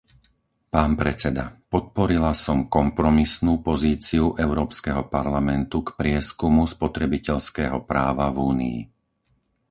Pán predseda, podporila som kompromisnú pozíciu Európskeho parlamentu k prieskumu spotrebiteľského práva v Únii.